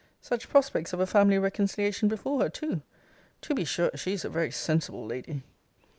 Such prospects of a family reconciliation before her too! To be sure she is a very sensible lady!